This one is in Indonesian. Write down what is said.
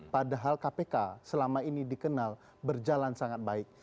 padahal kpk selama ini dikenal berjalan sangat baik